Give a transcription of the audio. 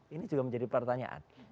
ini juga menjadi pertanyaan